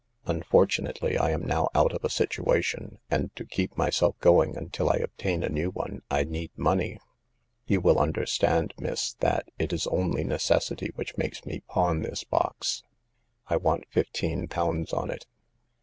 Unfortunately, I am now out of a situation, and to keep myself going until I obtain a new one I need money. You will understand, miss, that it is only necessity which makes me pawn this box. I want fifteen pounds on it."